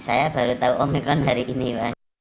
saya baru tahu omikron hari ini